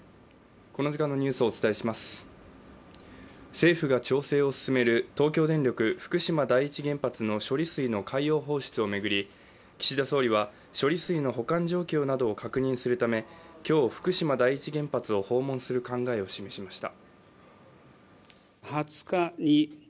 政府が調整を進める東京電力・福島第一原発の処理水の海洋放出を巡り岸田総理は処理水の保管状況などを確認するため、今日、福島第一原発を訪問する考えを示しました。